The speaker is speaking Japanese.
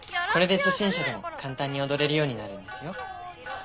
これで初心者でも簡単に踊れるようになるんですよ。